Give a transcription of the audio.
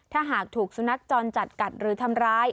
ถ้าหากถูกสุนัขจรจัดกัดหรือทำร้าย